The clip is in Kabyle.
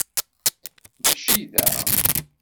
Mačči da.